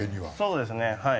そうですねはい。